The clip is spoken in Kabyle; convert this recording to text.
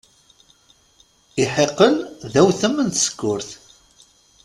Iḥiqel d awtem n tsekkurt.